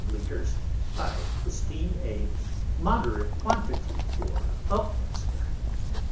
_ I esteem a moderate quantity for _Upminster.